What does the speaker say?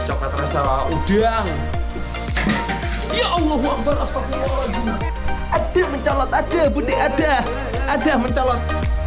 coba coba udang ya allah allah ada mencolot ada butik ada ada mencolot